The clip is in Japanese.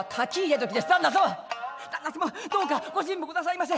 「旦那様旦那様どうかご辛抱くださいませ。